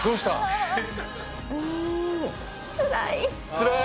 つらい？